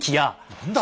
何だ！